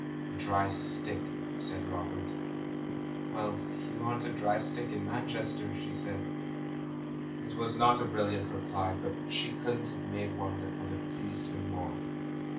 "A dry stick," said Robert. "Well, you aren't a dry stick in Manchester!'* she said. It was not a brilliant reply, but she couldn't have made one that would have pleased him more.